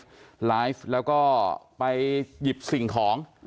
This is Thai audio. ของการไปไลฟ์แล้วก็ไปหยิบสิ่งของ